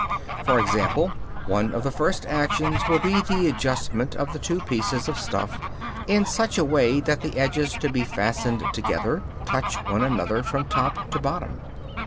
For example, one of the first actions will be the adjustment of the two pieces of stuff in such a way that the edges to be fastened together touch one another from top to bottom.